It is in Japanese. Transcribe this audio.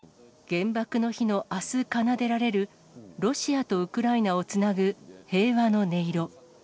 原爆の日のあす、奏でられるロシアとウクライナをつなぐ平和の音色。